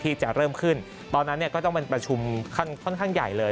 ที่จะเริ่มขึ้นตอนนั้นเนี่ยก็ต้องเป็นประชุมค่อนข้างใหญ่เลย